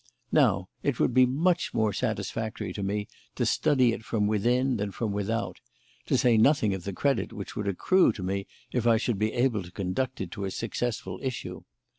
Now, it would be much more satisfactory to me to study it from within than from without, to say nothing of the credit which would accrue to me if I should be able to conduct it to a successful issue.